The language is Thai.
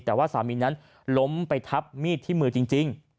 แต่ว่าสามีนั้นล้มไปทับมีดที่มือจริง